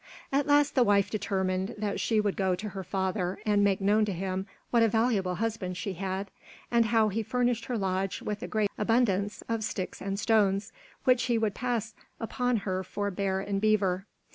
At last the wife determined that she would go to her father and make known to him what a valuable husband she had, and how he furnished her lodge with a great abundance of sticks and stones, which he would pass upon her for bear and beaver.